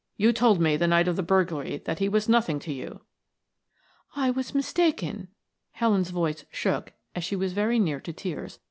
"You told me the night of the burglary that he was nothing to you.'" "I was mistaken," Helen's voice shook, she was very near to tears.